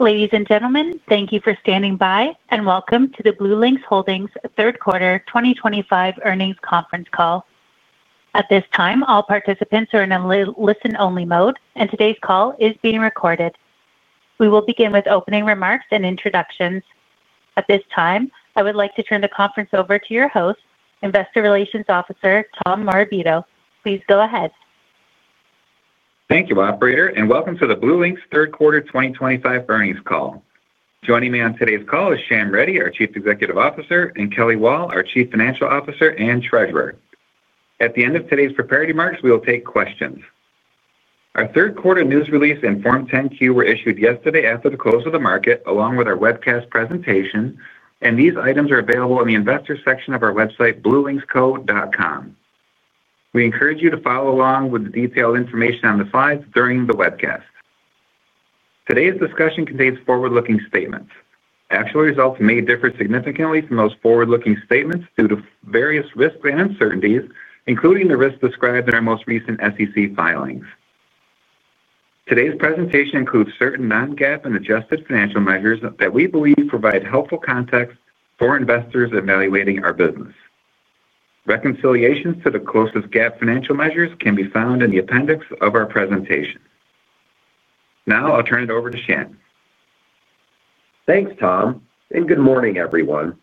Ladies and gentlemen, thank you for standing by, and welcome to the BlueLinx Holdings Third Quarter 2025 earnings conference call. At this time, all participants are in a listen-only mode, and today's call is being recorded. We will begin with opening remarks and introductions. At this time, I would like to turn the conference over to your host, Investor Relations Officer Tom Morabito. Please go ahead. Thank you, Operator, and welcome to the BlueLinx third quarter 2025 earnings call. Joining me on today's call is Shyam Reddy, our Chief Executive Officer, and Kelly Wall, our Chief Financial Officer and Treasurer. At the end of today's prepared remarks, we will take questions. Our third quarter news release and Form 10-Q were issued yesterday after the close of the market, along with our webcast presentation, and these items are available in the investor section of our website, bluelinxco.com. We encourage you to follow along with the detailed information on the slides during the webcast. Today's discussion contains forward-looking statements. Actual results may differ significantly from those forward-looking statements due to various risks and uncertainties, including the risks described in our most recent SEC filings. Today's presentation includes certain non-GAAP and adjusted financial measures that we believe provide helpful context for investors evaluating our business. Reconciliations to the closest GAAP financial measures can be found in the appendix of our presentation. Now, I'll turn it over to Shyam. Thanks, Tom, and good morning, everyone.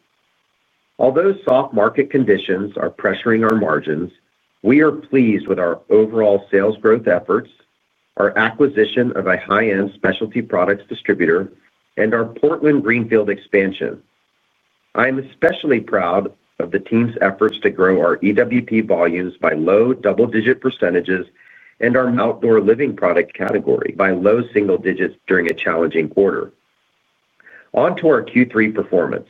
Although soft market conditions are pressuring our margins, we are pleased with our overall sales growth efforts, our acquisition of a high-end specialty products distributor, and our Portland Greenfield expansion. I am especially proud of the team's efforts to grow our EWP volumes by low double-digit percentages and our outdoor living product category by low single digits during a challenging quarter. Onto our Q3 performance.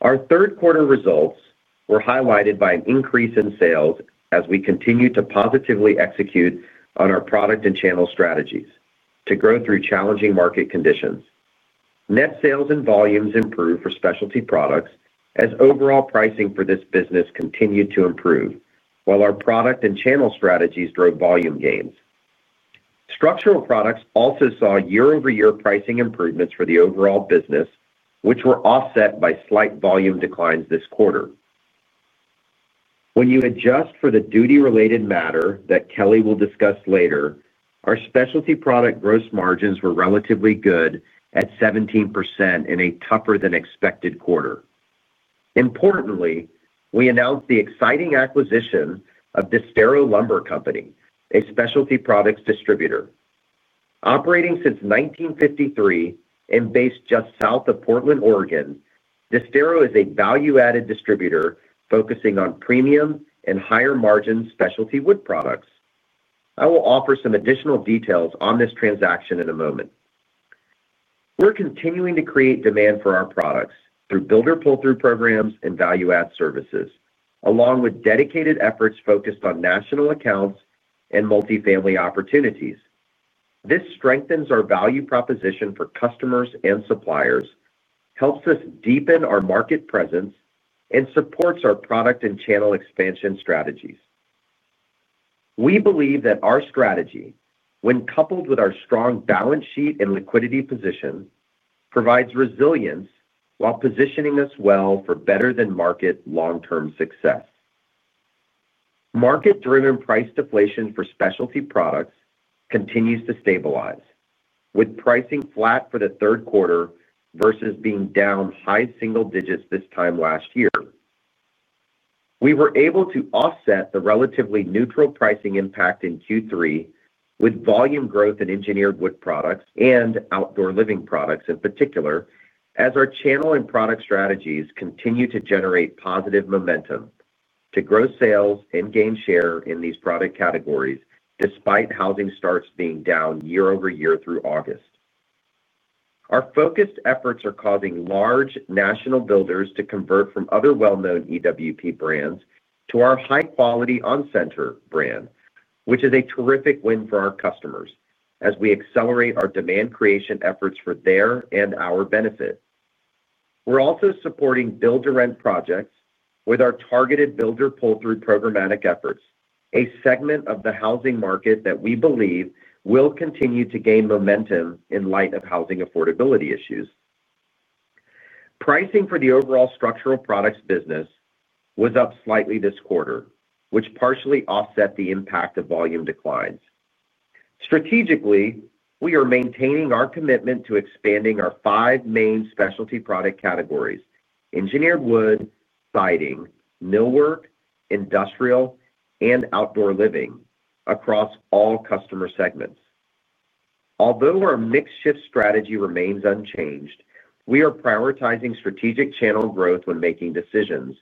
Our third quarter results were highlighted by an increase in sales as we continue to positively execute on our product and channel strategies to grow through challenging market conditions. Net sales and volumes improved for specialty products as overall pricing for this business continued to improve, while our product and channel strategies drove volume gains. Structural products also saw year-over-year pricing improvements for the overall business, which were offset by slight volume declines this quarter. When you adjust for the duty-related matter that Kelly will discuss later, our specialty product gross margins were relatively good at 17% in a tougher-than-expected quarter. Importantly, we announced the exciting acquisition of Distero Lumber Company, a specialty products distributor. Operating since 1953 and based just south of Portland, Oregon, Distero is a value-added distributor focusing on premium and higher-margin specialty wood products. I will offer some additional details on this transaction in a moment. We're continuing to create demand for our products through builder pull-through programs and value-add services, along with dedicated efforts focused on national accounts and multifamily opportunities. This strengthens our value proposition for customers and suppliers, helps us deepen our market presence, and supports our product and channel expansion strategies. We believe that our strategy, when coupled with our strong balance sheet and liquidity position, provides resilience while positioning us well for better-than-market long-term success. Market-driven price deflation for specialty products continues to stabilize, with pricing flat for the third quarter versus being down high single digits this time last year. We were able to offset the relatively neutral pricing impact in Q3 with volume growth in engineered wood products and outdoor living products in particular. As our channel and product strategies continue to generate positive momentum to grow sales and gain share in these product categories despite housing starts being down year-over-year through August. Our focused efforts are causing large national builders to convert from other well-known EWP brands to our high-quality OnCenter brand, which is a terrific win for our customers as we accelerate our demand creation efforts for their and our benefit. We're also supporting builder rent projects with our targeted builder pull-through programmatic efforts, a segment of the housing market that we believe will continue to gain momentum in light of housing affordability issues. Pricing for the overall structural products business was up slightly this quarter, which partially offset the impact of volume declines. Strategically, we are maintaining our commitment to expanding our five main specialty product categories: engineered wood, siding, millwork, industrial, and outdoor living across all customer segments. Although our mixed-shift strategy remains unchanged, we are prioritizing strategic channel growth when making decisions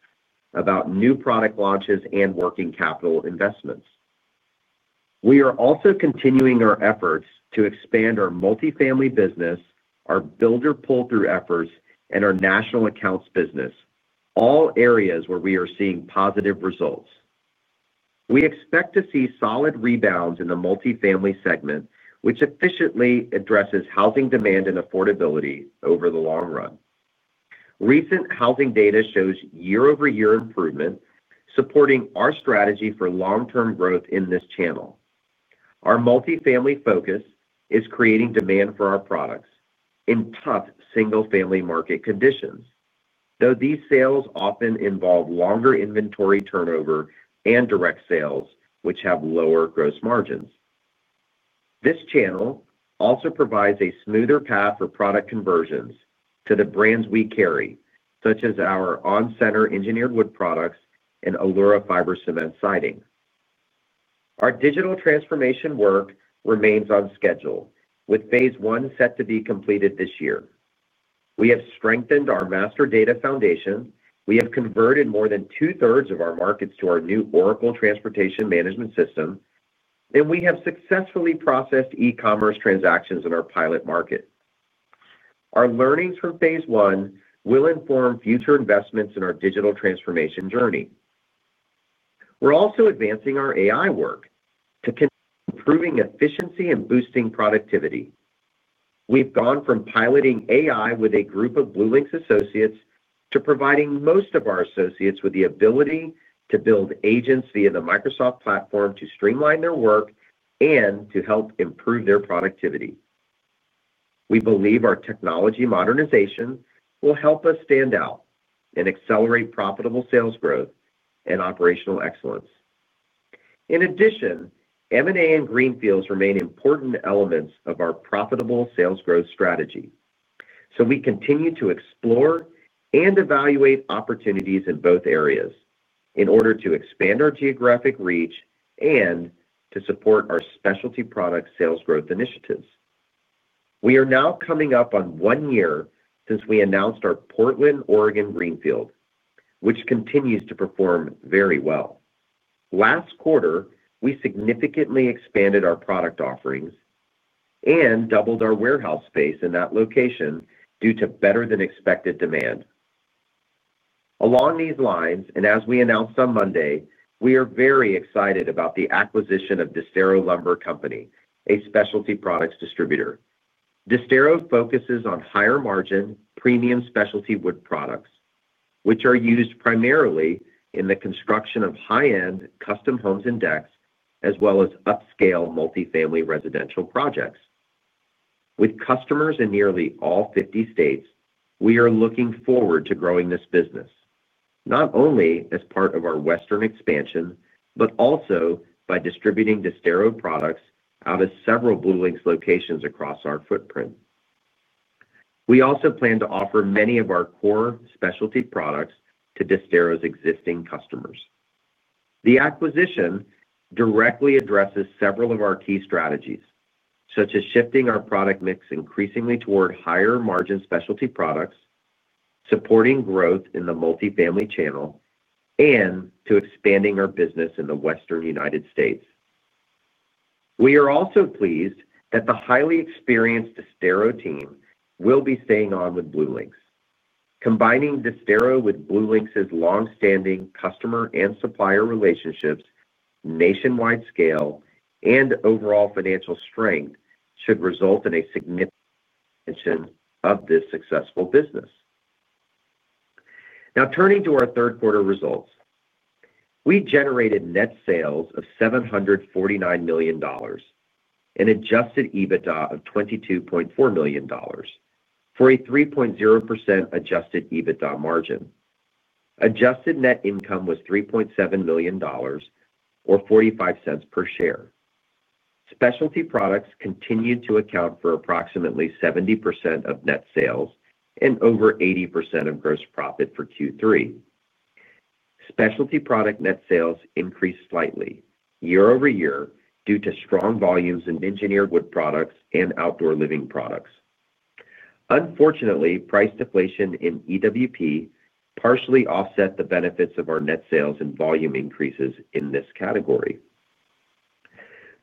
about new product launches and working capital investments. We are also continuing our efforts to expand our multifamily business, our builder pull-through efforts, and our national accounts business. All areas where we are seeing positive results. We expect to see solid rebounds in the multifamily segment, which efficiently addresses housing demand and affordability over the long run. Recent housing data shows year-over-year improvement, supporting our strategy for long-term growth in this channel. Our multifamily focus is creating demand for our products in tough single-family market conditions, though these sales often involve longer inventory turnover and direct sales, which have lower gross margins. This channel also provides a smoother path for product conversions to the brands we carry, such as our OnCenter engineered wood products and Alura fiber cement siding. Our digital transformation work remains on schedule, with phase I set to be completed this year. We have strengthened our master data foundation. We have converted more than two-thirds of our markets to our new Oracle Transportation Management System, and we have successfully processed e-commerce transactions in our pilot market. Our learnings from phase I will inform future investments in our digital transformation journey. We're also advancing our AI work to improve efficiency and boost productivity. We've gone from piloting AI with a group of BlueLinx associates to providing most of our associates with the ability to build agents via the Microsoft platform to streamline their work and to help improve their productivity. We believe our technology modernization will help us stand out and accelerate profitable sales growth and operational excellence. In addition, M&A and Greenfields remain important elements of our profitable sales growth strategy, so we continue to explore and evaluate opportunities in both areas in order to expand our geographic reach and to support our specialty product sales growth initiatives. We are now coming up on one year since we announced our Portland, Oregon Greenfield, which continues to perform very well. Last quarter, we significantly expanded our product offerings and doubled our warehouse space in that location due to better-than-expected demand. Along these lines, as we announced on Monday, we are very excited about the acquisition of Distero Lumber Company, a specialty products distributor. Distero focuses on higher-margin, premium specialty wood products, which are used primarily in the construction of high-end custom homes and decks, as well as upscale multifamily residential projects. With customers in nearly all 50 states, we are looking forward to growing this business. Not only as part of our western expansion, but also by distributing Distero products out of several BlueLinx locations across our footprint. We also plan to offer many of our core specialty products to Distero's existing customers. The acquisition. Directly addresses several of our key strategies, such as shifting our product mix increasingly toward higher-margin specialty products, supporting growth in the multifamily channel, and expanding our business in the Western United States. We are also pleased that the highly experienced Distero team will be staying on with BlueLinx. Combining Distero with BlueLinx's long-standing customer and supplier relationships, nationwide scale, and overall financial strength should result in a significant expansion of this successful business. Now, turning to our third quarter results, we generated net sales of $749 million and Adjusted EBITDA of $22.4 million for a 3.0% Adjusted EBITDA margin. Adjusted net income was $3.7 million, or $0.45 per share. Specialty products continued to account for approximately 70% of net sales and over 80% of gross profit for Q3. Specialty product net sales increased slightly year-over-year due to strong volumes in engineered wood products and outdoor living products. Unfortunately, price deflation in EWP partially offset the benefits of our net sales and volume increases in this category.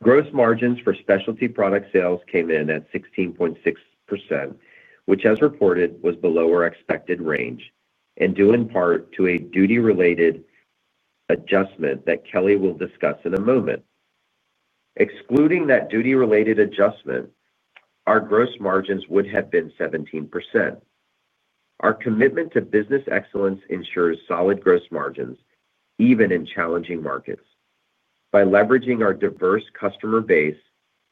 Gross margins for specialty product sales came in at 16.6%, which, as reported, was below our expected range and due in part to a duty-related adjustment that Kelly will discuss in a moment. Excluding that duty-related adjustment, our gross margins would have been 17%. Our commitment to business excellence ensures solid gross margins even in challenging markets. By leveraging our diverse customer base,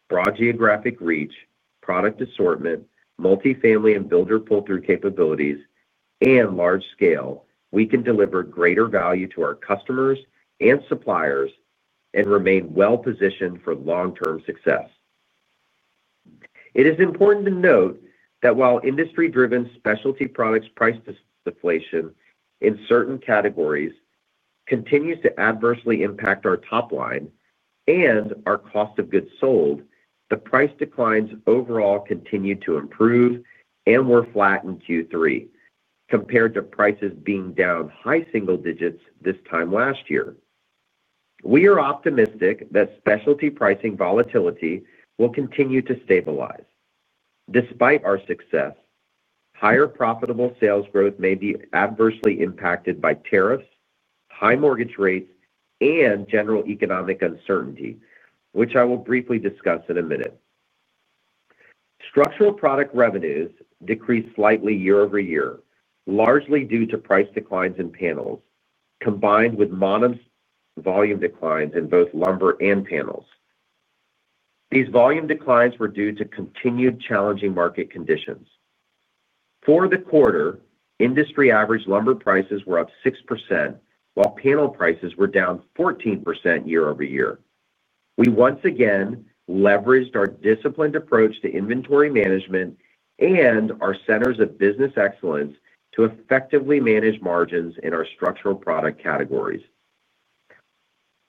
broad geographic reach, product assortment, multifamily and builder pull-through capabilities, and large scale, we can deliver greater value to our customers and suppliers and remain well-positioned for long-term success. It is important to note that while industry-driven specialty products price deflation in certain categories continues to adversely impact our top line and our cost of goods sold, the price declines overall continued to improve and were flat in Q3 compared to prices being down high single digits this time last year. We are optimistic that specialty pricing volatility will continue to stabilize. Despite our success, higher profitable sales growth may be adversely impacted by tariffs, high mortgage rates, and general economic uncertainty, which I will briefly discuss in a minute. Structural product revenues decreased slightly year-over-year, largely due to price declines in panels combined with modest volume declines in both lumber and panels. These volume declines were due to continued challenging market conditions. For the quarter, industry average lumber prices were up 6%, while panel prices were down 14% year-over-year. We once again leveraged our disciplined approach to inventory management and our centers of business excellence to effectively manage margins in our structural product categories.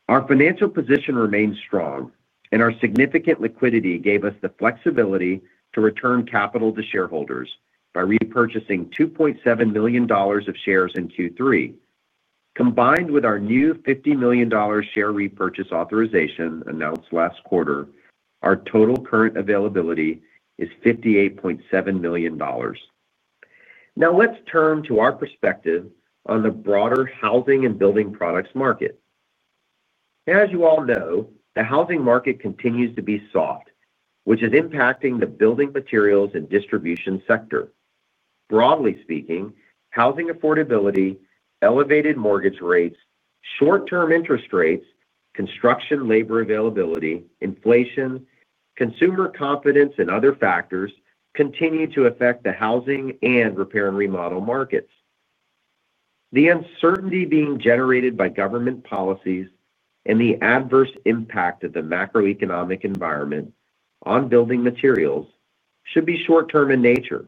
Our financial position remained strong, and our significant liquidity gave us the flexibility to return capital to shareholders by repurchasing $2.7 million of shares in Q3. Combined with our new $50 million share repurchase authorization announced last quarter, our total current availability is $58.7 million. Now, let's turn to our perspective on the broader housing and building products market. As you all know, the housing market continues to be soft, which is impacting the building materials and distribution sector. Broadly speaking, housing affordability, elevated mortgage rates, short-term interest rates, construction labor availability, inflation, consumer confidence, and other factors continue to affect the housing and repair and remodel markets. The uncertainty being generated by government policies and the adverse impact of the macroeconomic environment on building materials should be short-term in nature,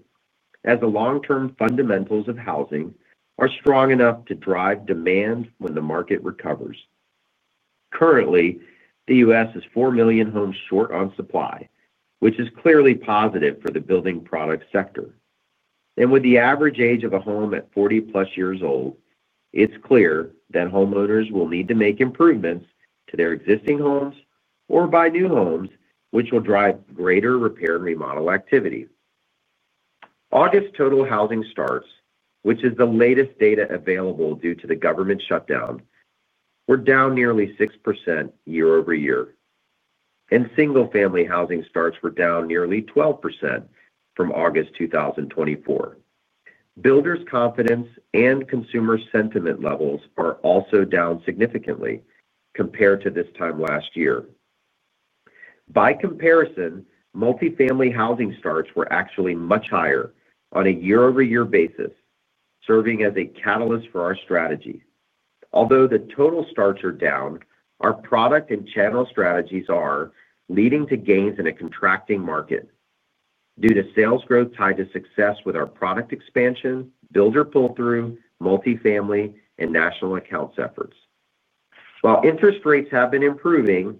as the long-term fundamentals of housing are strong enough to drive demand when the market recovers. Currently, the U.S. is 4 million homes short on supply, which is clearly positive for the building product sector. With the average age of a home at 40-plus years old, it is clear that homeowners will need to make improvements to their existing homes or buy new homes, which will drive greater repair and remodel activity. August total housing starts, which is the latest data available due to the government shutdown, were down nearly 6% year-over-year. Single-family housing starts were down nearly 12% from August 2024. Builders' confidence and consumer sentiment levels are also down significantly compared to this time last year. By comparison, multifamily housing starts were actually much higher on a year-over-year basis, serving as a catalyst for our strategy. Although the total starts are down, our product and channel strategies are leading to gains in a contracting market due to sales growth tied to success with our product expansion, builder pull-through, multifamily, and national accounts efforts. While interest rates have been improving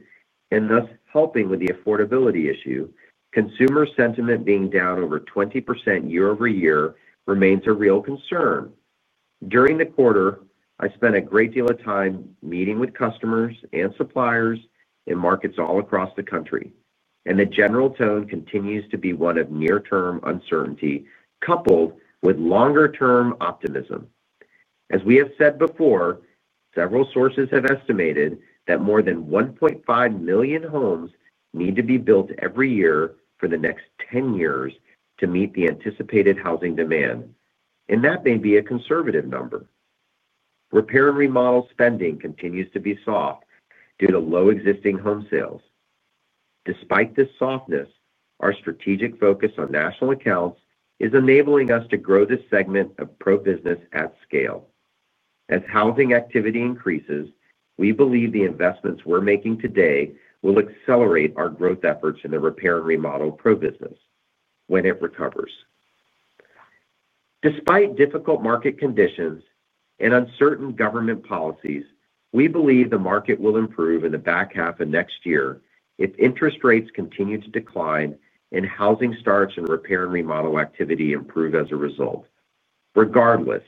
and thus helping with the affordability issue, consumer sentiment being down over 20% year-over-year remains a real concern. During the quarter, I spent a great deal of time meeting with customers and suppliers in markets all across the country, and the general tone continues to be one of near-term uncertainty coupled with longer-term optimism. As we have said before, several sources have estimated that more than 1.5 million homes need to be built every year for the next 10 years to meet the anticipated housing demand, and that may be a conservative number. Repair and remodel spending continues to be soft due to low existing home sales. Despite this softness, our strategic focus on national accounts is enabling us to grow this segment of pro-business at scale. As housing activity increases, we believe the investments we're making today will accelerate our growth efforts in the repair and remodel pro-business when it recovers. Despite difficult market conditions and uncertain government policies, we believe the market will improve in the back half of next year if interest rates continue to decline and housing starts and repair and remodel activity improve as a result. Regardless,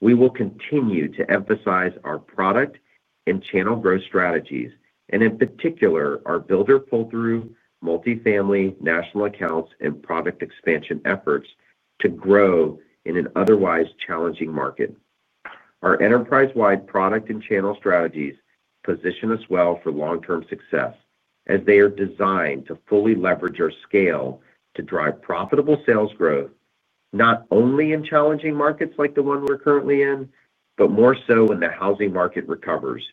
we will continue to emphasize our product and channel growth strategies, and in particular, our builder pull-through, multifamily, national accounts, and product expansion efforts to grow in an otherwise challenging market. Our enterprise-wide product and channel strategies position us well for long-term success as they are designed to fully leverage our scale to drive profitable sales growth not only in challenging markets like the one we're currently in, but more so when the housing market recovers.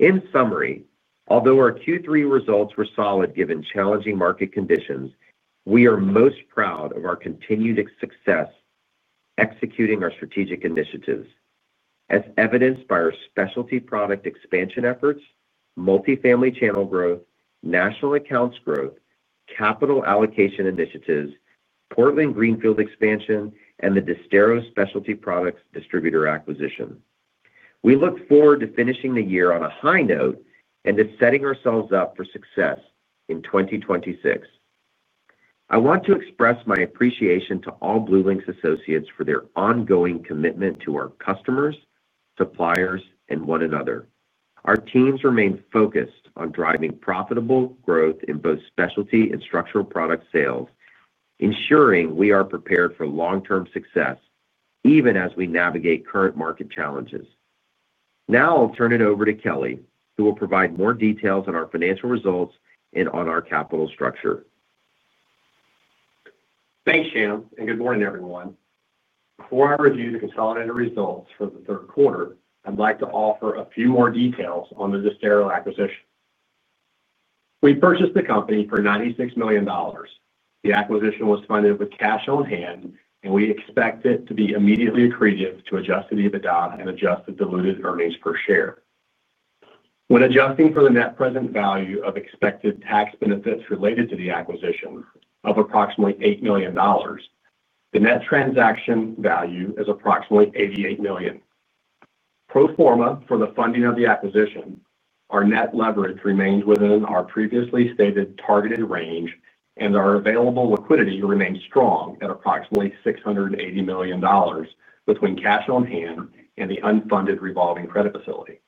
In summary, although our Q3 results were solid given challenging market conditions, we are most proud of our continued success. Executing our strategic initiatives, as evidenced by our specialty product expansion efforts, multifamily channel growth, national accounts growth, capital allocation initiatives, Portland Greenfield expansion, and the Distero specialty products distributor acquisition. We look forward to finishing the year on a high note and to setting ourselves up for success in 2026. I want to express my appreciation to all BlueLinx associates for their ongoing commitment to our customers, suppliers, and one another. Our teams remain focused on driving profitable growth in both specialty and structural product sales, ensuring we are prepared for long-term success, even as we navigate current market challenges. Now, I'll turn it over to Kelly, who will provide more details on our financial results and on our capital structure. Thanks, Shyam, and good morning, everyone. Before I review the consolidated results for the third quarter, I'd like to offer a few more details on the Distero acquisition. We purchased the company for $96 million. The acquisition was funded with cash on hand, and we expect it to be immediately accretive to Adjusted EBITDA and adjusted diluted earnings per share. When adjusting for the net present value of expected tax benefits related to the acquisition of approximately $8 million, the net transaction value is approximately $88 million. Pro forma for the funding of the acquisition, our net leverage remained within our previously stated targeted range, and our available liquidity remained strong at approximately $680 million between cash on hand and the unfunded revolving credit facility.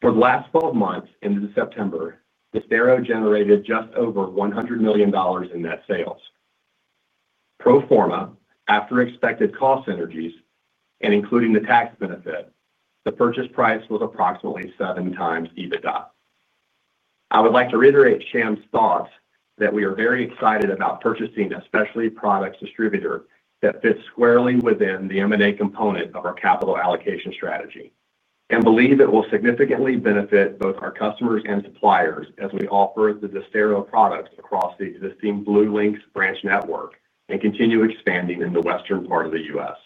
For the last 12 months into September, Distero generated just over $100 million in net sales. Pro forma, after expected cost synergies and including the tax benefit, the purchase price was approximately seven times EBITDA. I would like to reiterate Shyam's thoughts that we are very excited about purchasing a specialty products distributor that fits squarely within the M&A component of our capital allocation strategy and believe it will significantly benefit both our customers and suppliers as we offer the Distero products across the existing BlueLinx branch network and continue expanding in the western part of the U.S.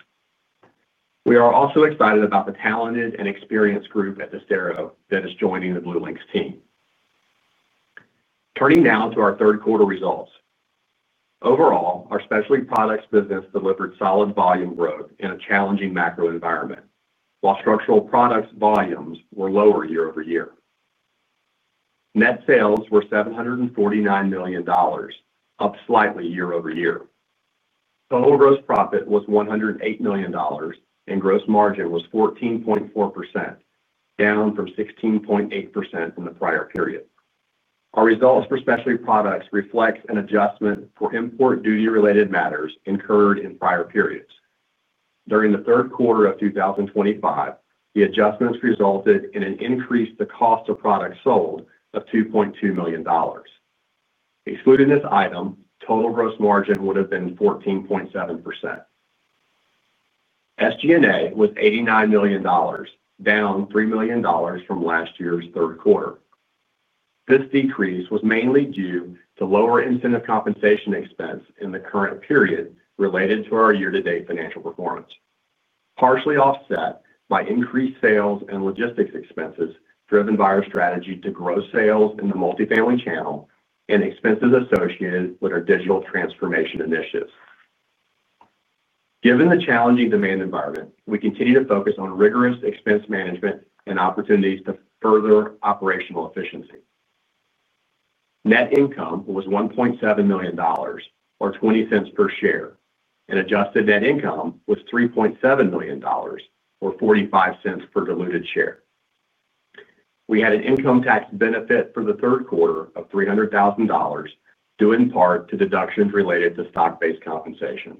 We are also excited about the talented and experienced group at Distero that is joining the BlueLinx team. Turning now to our third quarter results. Overall, our specialty products business delivered solid volume growth in a challenging macro environment, while structural products volumes were lower year-over-year. Net sales were $749 million, up slightly year-over-year. Total gross profit was $108 million, and gross margin was 14.4%, down from 16.8% in the prior period. Our results for specialty products reflect an adjustment for import duty-related matters incurred in prior periods. During the third quarter of 2025, the adjustments resulted in an increase in the cost of products sold of $2.2 million. Excluding this item, total gross margin would have been 14.7%. SG&A was $89 million, down $3 million from last year's third quarter. This decrease was mainly due to lower incentive compensation expense in the current period related to our year-to-date financial performance, partially offset by increased sales and logistics expenses driven by our strategy to grow sales in the multifamily channel and expenses associated with our digital transformation initiatives. Given the challenging demand environment, we continue to focus on rigorous expense management and opportunities to further operational efficiency. Net income was $1.7 million, or $0.20 per share, and adjusted net income was $3.7 million, or $0.45 per diluted share. We had an income tax benefit for the third quarter of $300,000 due in part to deductions related to stock-based compensation.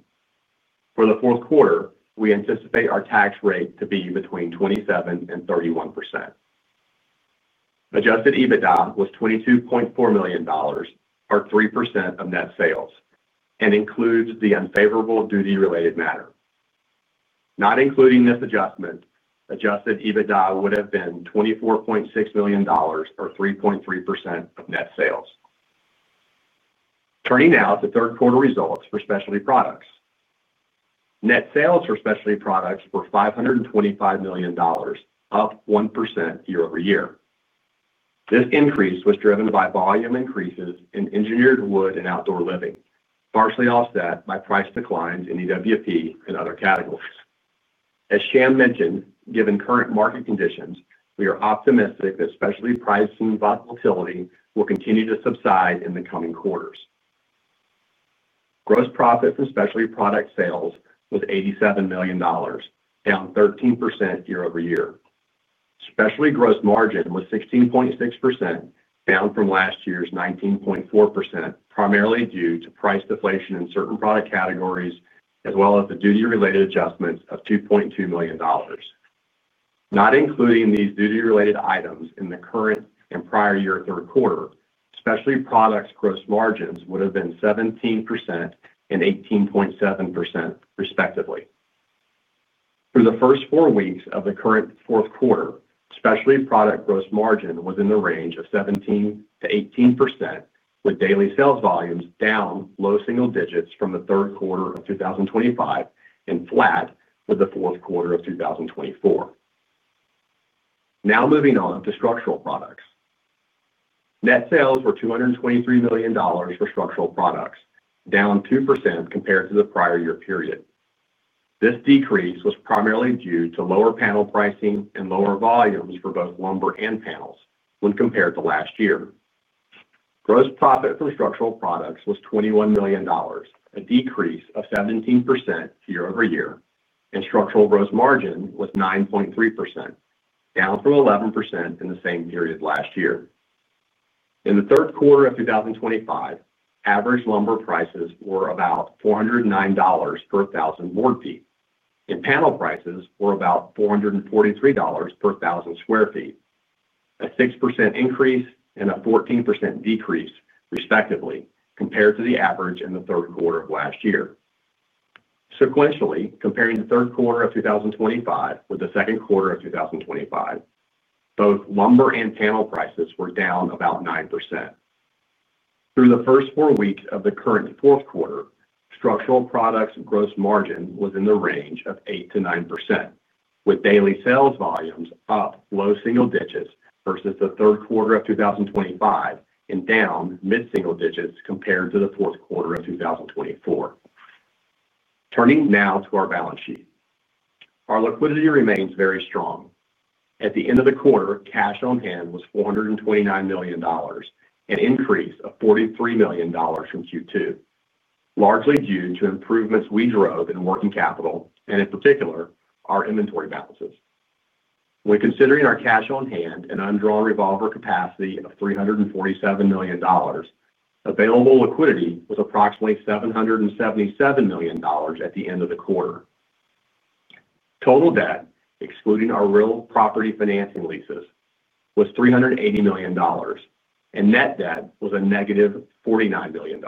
For the fourth quarter, we anticipate our tax rate to be between 27% and 31%. Adjusted EBITDA was $22.4 million, or 3% of net sales, and includes the unfavorable duty-related matter. Not including this adjustment, Adjusted EBITDA would have been $24.6 million, or 3.3% of net sales. Turning now to third quarter results for specialty products. Net sales for specialty products were $525 million, up 1% year-over-year. This increase was driven by volume increases in engineered wood and outdoor living, partially offset by price declines in EWP and other categories. As Shyam mentioned, given current market conditions, we are optimistic that specialty pricing volatility will continue to subside in the coming quarters. Gross profit from specialty product sales was $87 million, down 13% year-over-year. Specialty gross margin was 16.6%, down from last year's 19.4%, primarily due to price deflation in certain product categories, as well as the duty-related adjustments of $2.2 million. Not including these duty-related items in the current and prior year third quarter, specialty products gross margins would have been 17% and 18.7%, respectively. For the first four weeks of the current fourth quarter, specialty product gross margin was in the range of 17%-18%, with daily sales volumes down low single digits from the third quarter of 2024 and flat with the fourth quarter of 2023. Now moving on to structural products. Net sales were $223 million for structural products, down 2% compared to the prior year period. This decrease was primarily due to lower panel pricing and lower volumes for both lumber and panels when compared to last year. Gross profit from structural products was $21 million, a decrease of 17% year-over-year, and structural gross margin was 9.3%, down from 11% in the same period last year. In the third quarter of 2025, average lumber prices were about $409 per 1,000 board feet, and panel prices were about $443 per 1,000 sq ft, a 6% increase and a 14% decrease, respectively, compared to the average in the third quarter of last year. Sequentially, comparing the third quarter of 2025 with the second quarter of 2025, both lumber and panel prices were down about 9%. Through the first four weeks of the current fourth quarter, structural products gross margin was in the range of 8%-9%, with daily sales volumes up low single digits versus the third quarter of 2025 and down mid-single digits compared to the fourth quarter of 2024. Turning now to our balance sheet. Our liquidity remains very strong. At the end of the quarter, cash on hand was $429 million, an increase of $43 million from Q2, largely due to improvements we drove in working capital and, in particular, our inventory balances. When considering our cash on hand and undrawn revolver capacity of $347 million, available liquidity was approximately $777 million at the end of the quarter. Total debt, excluding our real property financing leases, was $380 million, and net debt was a negative $49 million.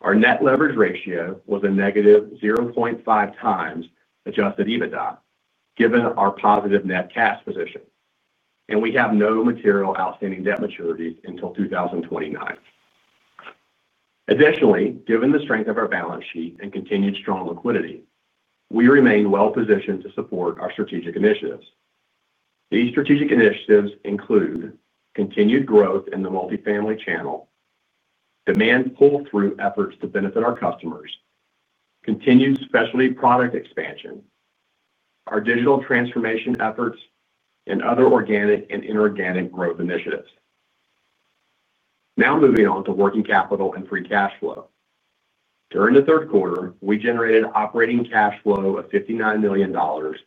Our net leverage ratio was a negative 0.5 times adjusted EBITDA, given our positive net cash position. We have no material outstanding debt maturities until 2029. Additionally, given the strength of our balance sheet and continued strong liquidity, we remain well-positioned to support our strategic initiatives. These strategic initiatives include. Continued growth in the multifamily channel, demand pull-through efforts to benefit our customers, continued specialty product expansion. Our digital transformation efforts, and other organic and inorganic growth initiatives. Now moving on to working capital and free cash flow. During the third quarter, we generated operating cash flow of $59 million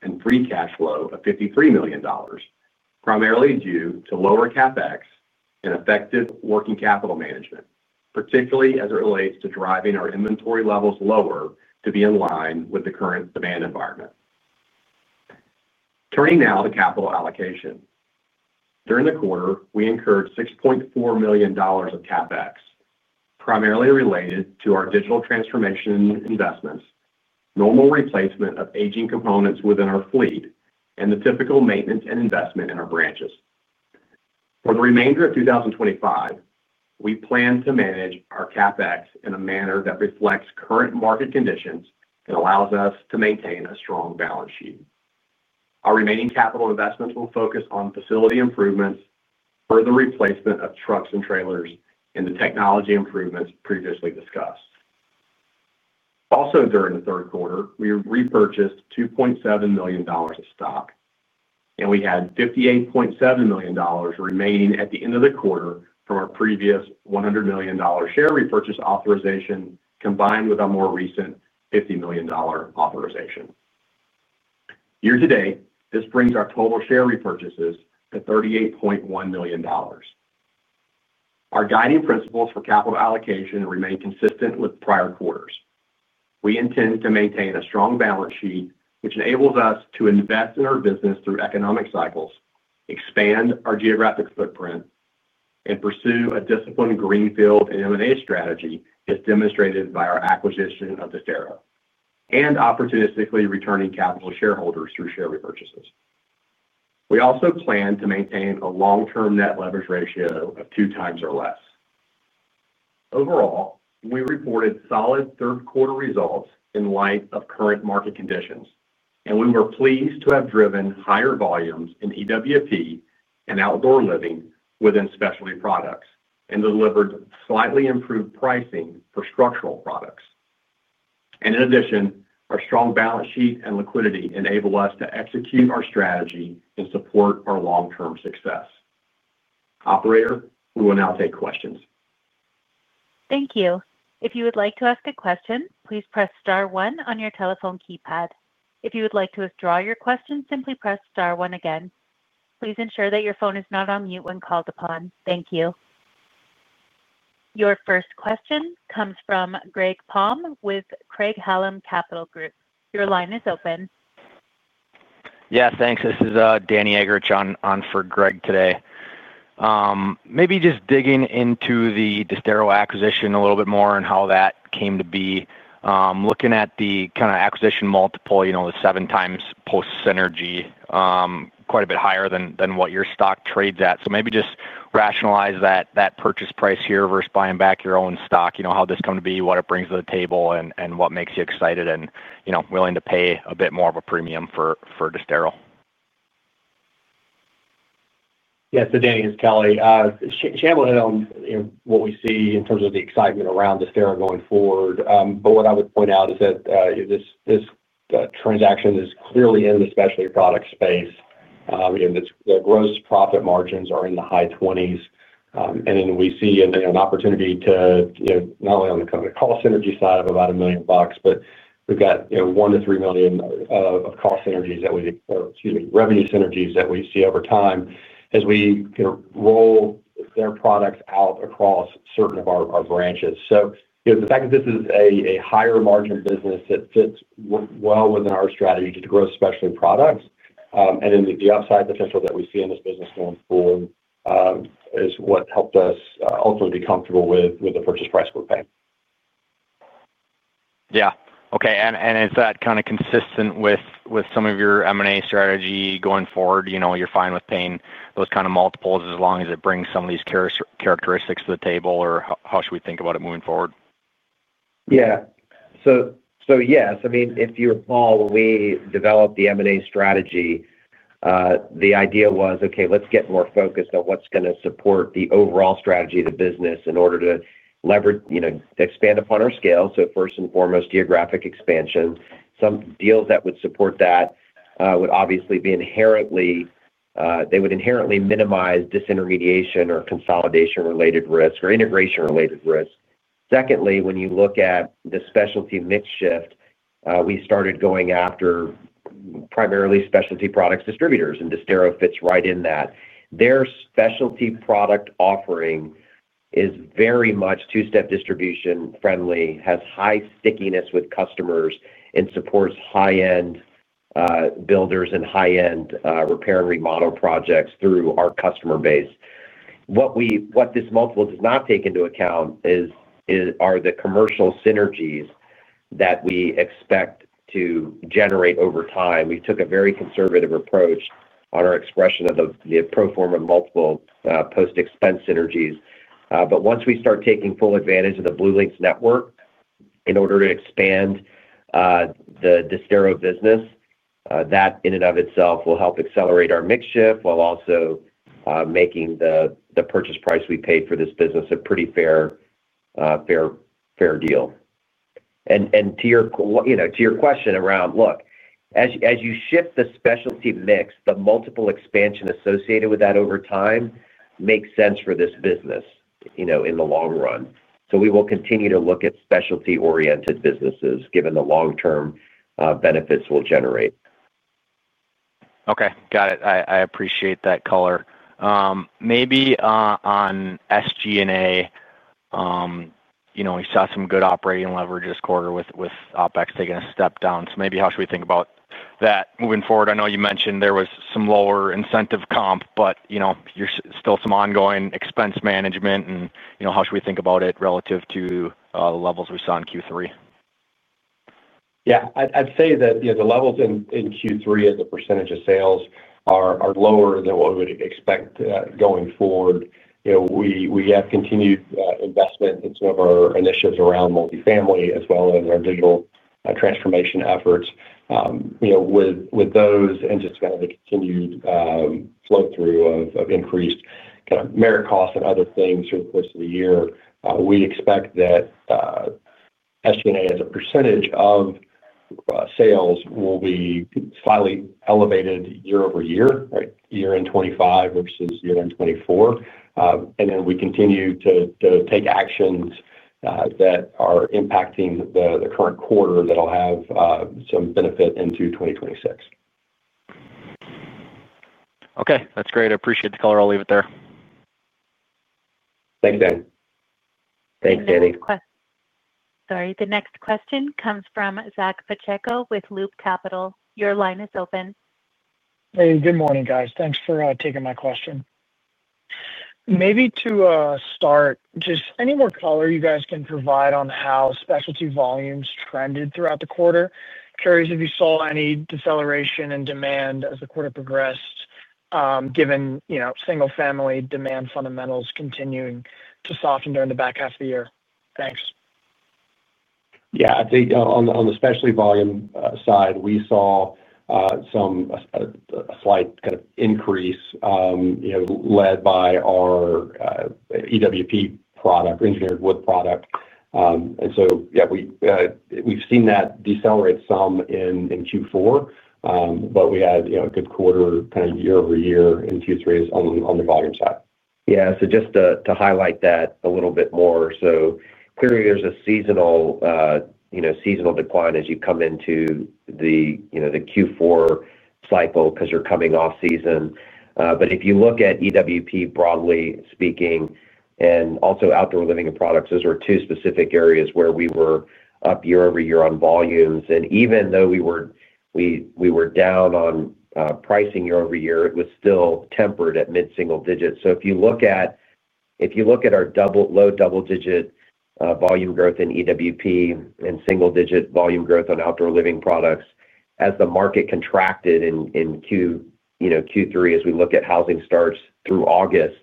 and free cash flow of $53 million, primarily due to lower CapEx and effective working capital management, particularly as it relates to driving our inventory levels lower to be in line with the current demand environment. Turning now to capital allocation. During the quarter, we incurred $6.4 million of CapEx, primarily related to our digital transformation investments, normal replacement of aging components within our fleet, and the typical maintenance and investment in our branches. For the remainder of 2025, we plan to manage our CapEx in a manner that reflects current market conditions and allows us to maintain a strong balance sheet. Our remaining capital investments will focus on facility improvements, further replacement of trucks and trailers, and the technology improvements previously discussed. Also, during the third quarter, we repurchased $2.7 million of stock, and we had $58.7 million remaining at the end of the quarter from our previous $100 million share repurchase authorization, combined with a more recent $50 million authorization. Year to date, this brings our total share repurchases to $38.1 million. Our guiding principles for capital allocation remain consistent with prior quarters. We intend to maintain a strong balance sheet, which enables us to invest in our business through economic cycles, expand our geographic footprint, and pursue a disciplined greenfield and M&A strategy, as demonstrated by our acquisition of Distero and opportunistically returning capital to shareholders through share repurchases. We also plan to maintain a long-term net leverage ratio of two times or less. Overall, we reported solid third-quarter results in light of current market conditions, and we were pleased to have driven higher volumes in EWP and outdoor living within specialty products and delivered slightly improved pricing for structural products. In addition, our strong balance sheet and liquidity enable us to execute our strategy and support our long-term success. Operator, we will now take questions. Thank you. If you would like to ask a question, please press Star 1 on your telephone keypad. If you would like to withdraw your question, simply press Star 1 again. Please ensure that your phone is not on mute when called upon. Thank you. Your first question comes from Greg Palm with Craig-Hallum Capital Group. Your line is open. Yeah, thanks. This isDanny Eggerichs on for Greg today. Maybe just digging into the Distero acquisition a little bit more and how that came to be, looking at the kind of acquisition multiple, the seven times post-synergy. Quite a bit higher than what your stock trades at. Maybe just rationalize that purchase price here versus buying back your own stock, how this come to be, what it brings to the table, and what makes you excited and willing to pay a bit more of a premium for Distero. Yeah, so Danny is Kelly. Shyam, Lynn had on what we see in terms of the excitement around Distero going forward. What I would point out is that this transaction is clearly in the specialty product space. The gross profit margins are in the high 20s. We see an opportunity not only on the cost synergy side of about $1 million, but we have $1 million-$3 million of cost synergies that we—excuse me—revenue synergies that we see over time as we roll their products out across certain of our branches. The fact that this is a higher margin business that fits well within our strategy to grow specialty products, and the upside potential that we see in this business going forward, is what helped us ultimately be comfortable with the purchase price we are paying. Yeah. Okay. Is that kind of consistent with some of your M&A strategy going forward? You're fine with paying those kind of multiples as long as it brings some of these characteristics to the table, or how should we think about it moving forward? Yeah. Yes. I mean, if you recall, when we developed the M&A strategy, the idea was, "Okay, let's get more focused on what's going to support the overall strategy of the business in order to expand upon our scale." First and foremost, geographic expansion. Some deals that would support that would obviously be inherently—they would inherently minimize disintermediation or consolidation-related risk or integration-related risk. Secondly, when you look at the specialty mix shift, we started going after primarily specialty products distributors, and Distero fits right in that. Their specialty product offering is very much two-step distribution-friendly, has high stickiness with customers, and supports high-end. Builders and high-end repair and remodel projects through our customer base. What this multiple does not take into account are the commercial synergies that we expect to generate over time. We took a very conservative approach on our expression of the pro forma multiple post-expense synergies. Once we start taking full advantage of the BlueLinx network in order to expand the Distero business, that in and of itself will help accelerate our mix shift while also making the purchase price we paid for this business a pretty fair deal. To your question around, "Look, as you shift the specialty mix, the multiple expansion associated with that over time makes sense for this business in the long run." We will continue to look at specialty-oriented businesses, given the long-term benefits we'll generate. Okay. Got it. I appreciate that color. Maybe on SG&A. We saw some good operating leverage this quarter with OpEx taking a step down. Maybe how should we think about that moving forward? I know you mentioned there was some lower incentive comp, but there's still some ongoing expense management. How should we think about it relative to the levels we saw in Q3? Yeah. I'd say that the levels in Q3, as a percentage of sales, are lower than what we would expect going forward. We have continued investment in some of our initiatives around multifamily, as well as our digital transformation efforts. With those and just kind of the continued flow-through of increased kind of merit costs and other things through the course of the year, we expect that SG&A as a percentage of sales will be slightly elevated year-over- year, right, year in 2025 versus year in 2024. Then we continue to take actions that are impacting the current quarter that will have some benefit into 2026. Okay. That's great. I appreciate the color. I'll leave it there. Thanks, Dan. Thanks, Danny. Sorry. The next question comes from Zack Pacheco with Loop Capital. Your line is open. Hey. Good morning, guys. Thanks for taking my question. Maybe to start, just any more color you guys can provide on how specialty volumes trended throughout the quarter. Curious if you saw any deceleration in demand as the quarter progressed. Given single-family demand fundamentals continuing to soften during the back half of the year. Thanks. Yeah. I think on the specialty volume side, we saw some slight kind of increase led by our EWP product, engineered wood product. And so, yeah. We've seen that decelerate some in Q4. We had a good quarter kind of year-over-year in Q3 on the volume side. Yeah. Just to highlight that a little bit more. Clearly, there is a seasonal decline as you come into the Q4 cycle because you are coming off season. If you look at EWP, broadly speaking, and also outdoor living and products, those were two specific areas where we were up year-over- year on volumes. Even though we were down on pricing year-over-year, it was still tempered at mid-single digits. If you look at our low double-digit volume growth in EWP and single-digit volume growth on outdoor living products, as the market contracted in Q3, as we look at housing starts through August,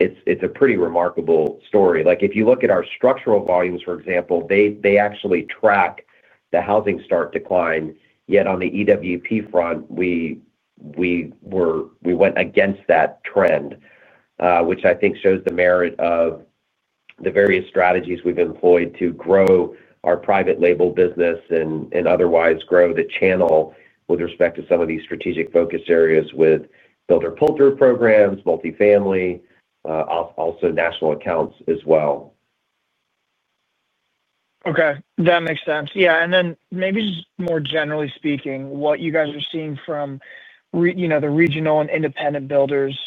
it is a pretty remarkable story. If you look at our structural volumes, for example, they actually track the housing start decline. Yet on the EWP front, we went against that trend. Which I think shows the merit of the various strategies we've employed to grow our private label business and otherwise grow the channel with respect to some of these strategic focus areas with Builder Pull-Through Programs, multifamily, also national accounts as well. Okay. That makes sense. Yeah. And then maybe just more generally speaking, what you guys are seeing from the regional and independent builders.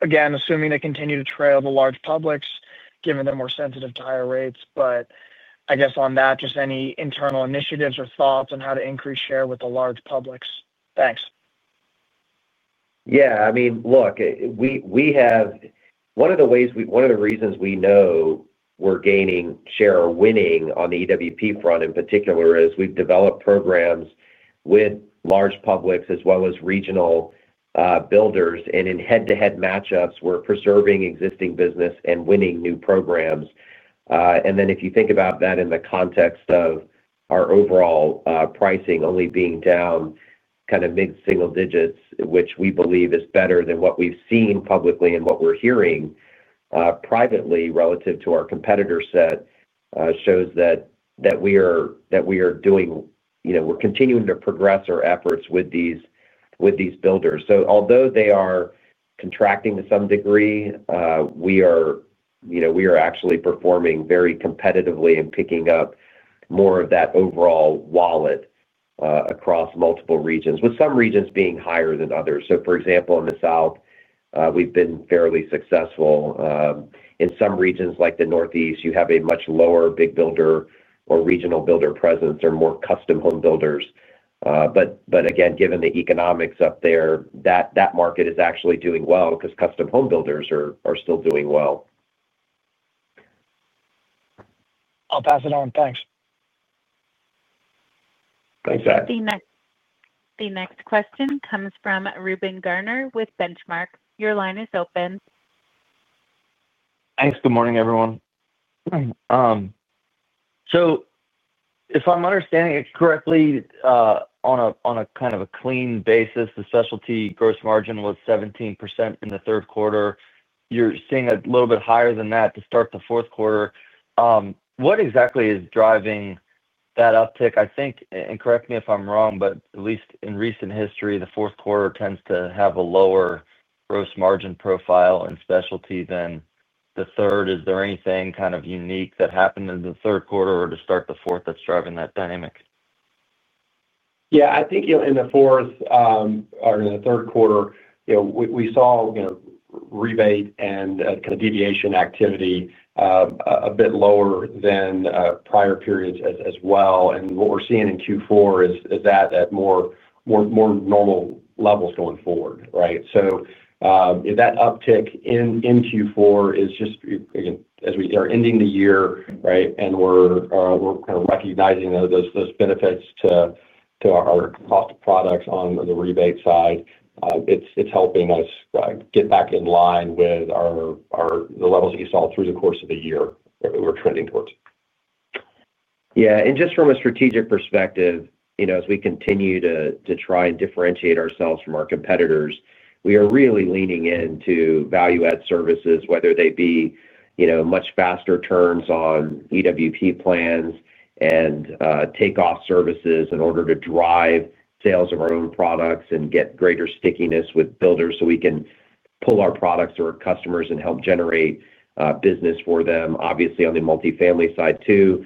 Again, assuming they continue to trail the large publics, given they're more sensitive to higher rates. But I guess on that, just any internal initiatives or thoughts on how to increase share with the large publics? Thanks. Yeah. I mean, look, one of the ways—one of the reasons we know we're gaining share or winning on the EWP front in particular is we've developed programs with large publics as well as regional builders. In head-to-head matchups, we're preserving existing business and winning new programs. If you think about that in the context of our overall pricing only being down kind of mid-single digits, which we believe is better than what we've seen publicly and what we're hearing privately relative to our competitor set, it shows that we are continuing to progress our efforts with these builders. Although they are contracting to some degree, we are actually performing very competitively and picking up more of that overall wallet across multiple regions, with some regions being higher than others. For example, in the South, we've been fairly successful. In some regions like the Northeast, you have a much lower big builder or regional builder presence or more custom home builders. But again, given the economics up there, that market is actually doing well because custom home builders are still doing well. I'll pass it on. Thanks. Thanks, Zach. The next question comes from Reuben Garner with Benchmark. Your line is open. Thanks. Good morning, everyone. So. If I'm understanding it correctly. On a kind of a clean basis, the specialty gross margin was 17% in the third quarter. You're seeing a little bit higher than that to start the fourth quarter. What exactly is driving that uptick? I think—and correct me if I'm wrong—but at least in recent history, the fourth quarter tends to have a lower gross margin profile in specialty than the third. Is there anything kind of unique that happened in the third quarter or to start the fourth that's driving that dynamic? Yeah. I think in the fourth. Or in the third quarter, we saw. Rebate and kind of deviation activity. A bit lower than prior periods as well. What we're seeing in Q4 is that at more normal levels going forward, right? That uptick in Q4 is just, again, as we are ending the year, right? We're kind of recognizing those benefits to our cost of products on the rebate side. It's helping us get back in line with the levels that you saw through the course of the year that we're trending towards. Yeah. Just from a strategic perspective, as we continue to try and differentiate ourselves from our competitors, we are really leaning into value-add services, whether they be much faster turns on EWP plans and takeoff services in order to drive sales of our own products and get greater stickiness with builders so we can pull our products to our customers and help generate business for them. Obviously, on the multifamily side too,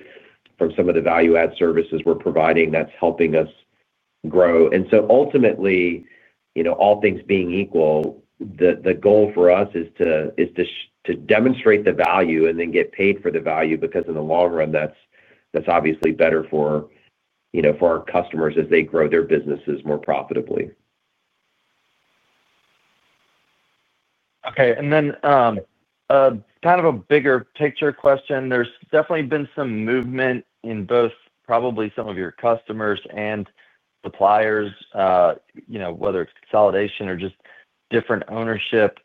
from some of the value-add services we're providing, that's helping us grow. Ultimately, all things being equal, the goal for us is to demonstrate the value and then get paid for the value because in the long run, that's obviously better for our customers as they grow their businesses more profitably. Okay. Kind of a bigger picture question. There's definitely been some movement in both probably some of your customers and suppliers. Whether it's consolidation or just different ownership.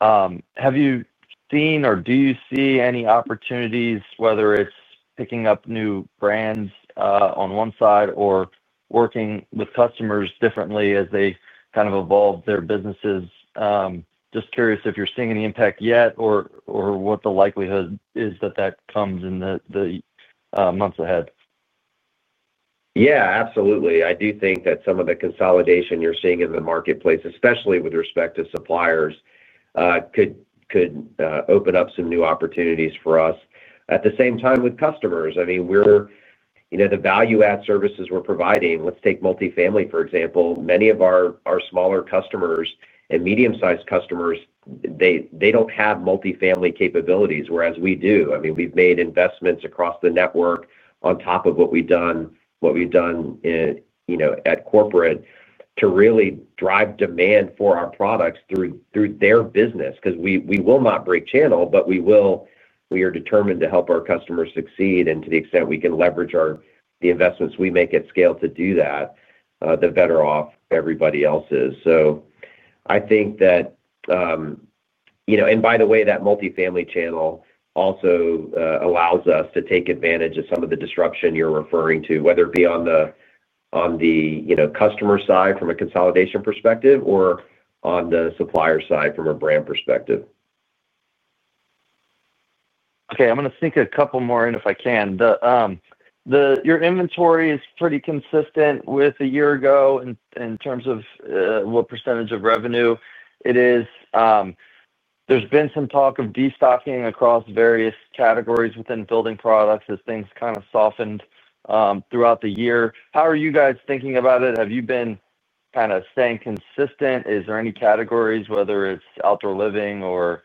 Have you seen or do you see any opportunities, whether it's picking up new brands on one side or working with customers differently as they kind of evolve their businesses? Just curious if you're seeing any impact yet or what the likelihood is that that comes in the months ahead. Yeah. Absolutely. I do think that some of the consolidation you're seeing in the marketplace, especially with respect to suppliers, could open up some new opportunities for us. At the same time with customers, I mean, the value-add services we're providing—let's take multifamily, for example—many of our smaller customers and medium-sized customers, they don't have multifamily capabilities, whereas we do. I mean, we've made investments across the network on top of what we've done at corporate to really drive demand for our products through their business. Because we will not break channel, but we are determined to help our customers succeed. To the extent we can leverage the investments we make at scale to do that, the better off everybody else is. I think that, by the way, that multifamily channel also allows us to take advantage of some of the disruption you're referring to, whether it be on the customer side from a consolidation perspective or on the supplier side from a brand perspective. Okay. I'm going to sneak a couple more in if I can. Your inventory is pretty consistent with a year ago in terms of what percentage of revenue it is. There's been some talk of destocking across various categories within building products as things kind of softened throughout the year. How are you guys thinking about it? Have you been kind of staying consistent? Is there any categories, whether it's outdoor living or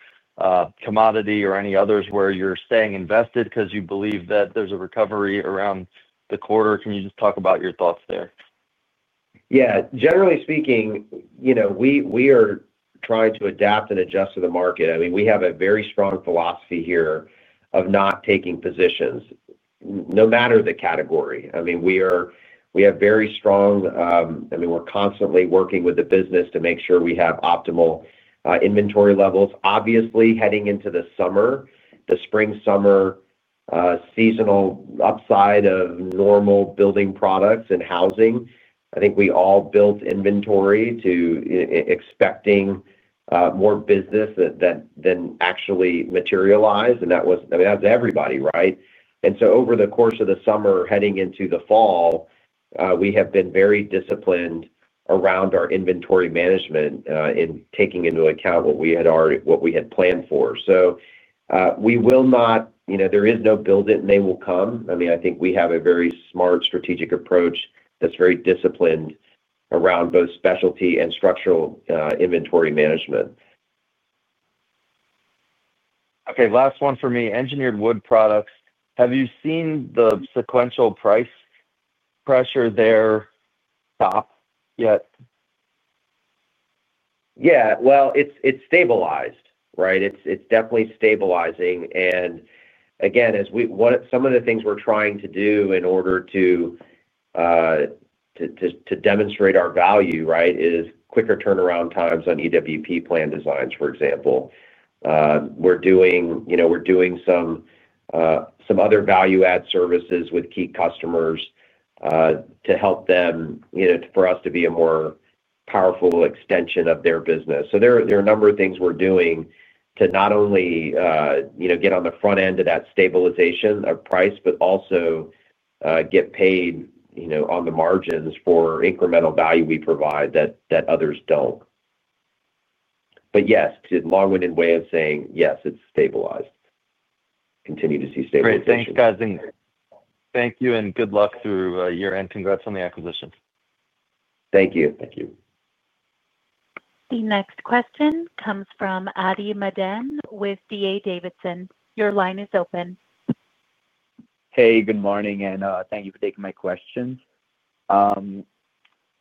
commodity or any others, where you're staying invested because you believe that there's a recovery around the corner? Can you just talk about your thoughts there? Yeah. Generally speaking. We are trying to adapt and adjust to the market. I mean, we have a very strong philosophy here of not taking positions, no matter the category. I mean, we have very strong—I mean, we're constantly working with the business to make sure we have optimal inventory levels. Obviously, heading into the summer, the spring-summer, seasonal upside of normal building products and housing, I think we all built inventory to expect more business than actually materialized. That was—I mean, that was everybody, right? Over the course of the summer, heading into the fall, we have been very disciplined around our inventory management, taking into account what we had planned for. We will not—there is no build it and they will come. I mean, I think we have a very smart, strategic approach that's very disciplined around both specialty and structural inventory management. Okay. Last one for me. Engineered wood products. Have you seen the sequential price pressure there stop yet? Yeah, it's stabilized, right? It's definitely stabilizing. Again, some of the things we're trying to do in order to demonstrate our value, right, is quicker turnaround times on EWP plan designs, for example. We're doing some other value-add services with key customers to help them—for us to be a more powerful extension of their business. There are a number of things we're doing to not only get on the front end of that stabilization of price, but also get paid on the margins for incremental value we provide that others do not. Yes, it's a long-winded way of saying, yes, it's stabilized. Continue to see stabilization. Great. Thanks, guys. And thank you. Good luck through year-end. Congrats on the acquisition. Thank you. Thank you. The next question comes from Addy Madan with D.A. Davidson. Your line is open. Hey. Good morning. And thank you for taking my questions.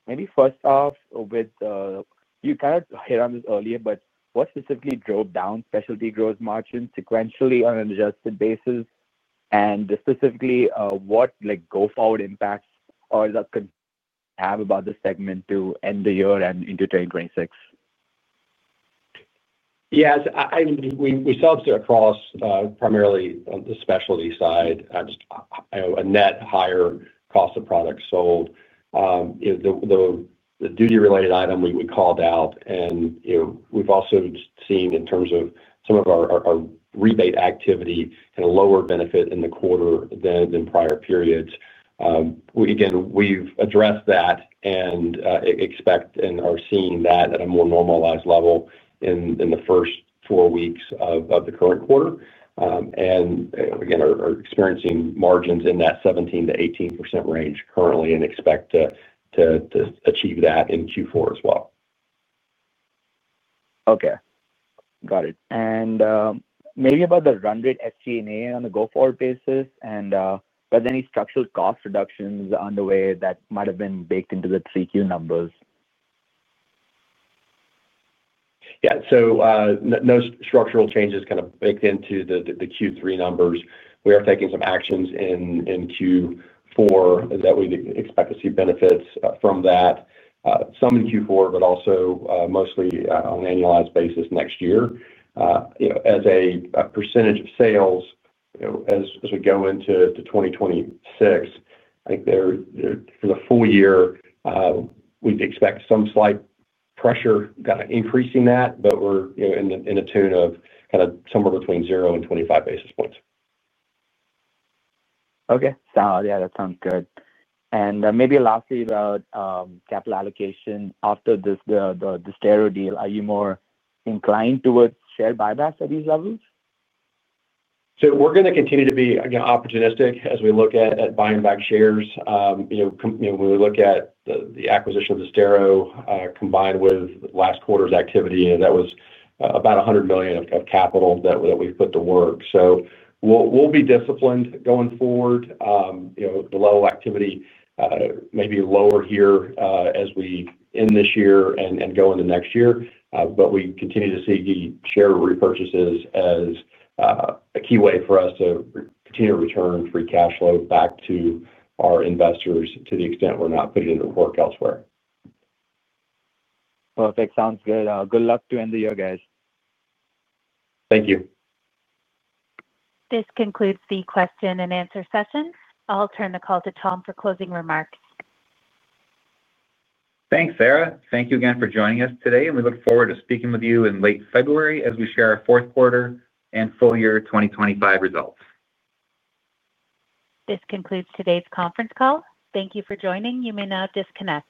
Maybe first off with—you kind of hit on this earlier, but what specifically drove down specialty gross margin sequentially on an adjusted basis? And specifically, what go-forward impacts or the—have about the segment to end the year and into 2026? Yeah. We saw upsets across primarily on the specialty side. Just a net higher cost of product sold. The duty-related item we called out. And we've also seen, in terms of some of our rebate activity, a lower benefit in the quarter than prior periods. Again, we've addressed that and expect and are seeing that at a more normalized level in the first four weeks of the current quarter. Again, are experiencing margins in that 17%-18% range currently and expect to achieve that in Q4 as well. Okay. Got it. Maybe about the run rate SG&A on a go-forward basis. Were there any structural cost reductions underway that might have been baked into the 3Q numbers? Yeah. No structural changes kind of baked into the Q3 numbers. We are taking some actions in Q4 that we expect to see benefits from. Some in Q4, but also mostly on an annualized basis next year. As a percentage of sales, as we go into 2026, I think for the full year, we'd expect some slight pressure kind of increasing that, but we're in a tune of somewhere between 0-25 basis points. Okay. Sounds good. Maybe lastly about capital allocation after the Distero deal, are you more inclined towards share buybacks at these levels? We're going to continue to be opportunistic as we look at buying back shares. When we look at the acquisition of Distero combined with last quarter's activity, that was about $100 million of capital that we've put to work. We'll be disciplined going forward. The level of activity may be lower here as we end this year and go into next year. We continue to see the share repurchases as a key way for us to continue to return free cash flow back to our investors to the extent we're not putting it to work elsewhere. Perfect. Sounds good. Good luck to end the year, guys. Thank you. This concludes the question and answer session. I'll turn the call to Tom for closing remarks. Thanks, Sarah. Thank you again for joining us today. We look forward to speaking with you in late February as we share our fourth quarter and full year 2025 results. This concludes today's conference call. Thank you for joining. You may now disconnect.